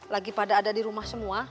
lagi pada ada di rumah semua